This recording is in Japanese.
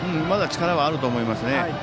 まだ力はあると思いますね。